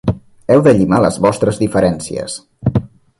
Heu de llimar les vostres diferències.